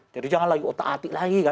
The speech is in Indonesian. jadi jangan lagi otak atik lagi